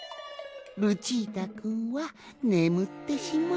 ルチータくんはねむってしまったわい。